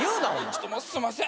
ちょっともうすんません。